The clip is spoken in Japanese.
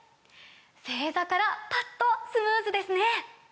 正座からパッとスムーズですね！